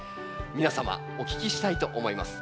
皆様お聞きしたいと思います。